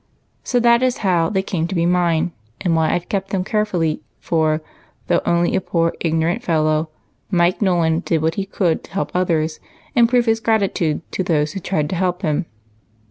So that is how they came to be mine, and why I 've kept them carefully ; for, though only a poor, ignorant fellow, Mike Nolan did what he could to help others, and prove his gratitude to those who tried to help him."